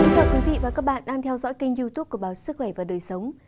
chào các bạn đang theo dõi kênh youtube của báo sức khỏe và đời sống